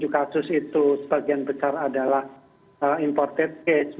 empat puluh tujuh kasus itu sebagian besar adalah imported case